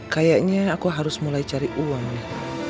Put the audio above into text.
kayaknya aku harus mulai cari uang ya